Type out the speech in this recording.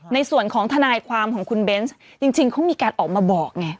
ในส่วนของทนายความของคุณเบนส์จริงเขามีการออกมาบอกไง